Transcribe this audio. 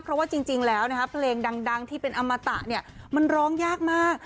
เพราะว่าจริงแล้วเพลงดังที่เป็นอมตะเนี่ยมันร้องยากมาก